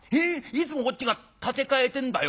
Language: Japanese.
いつもこっちが立て替えてんだよ。